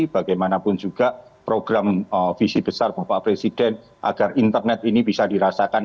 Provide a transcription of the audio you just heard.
bagaimanapun juga program visi besar bapak presiden agar internet ini bisa dirasakan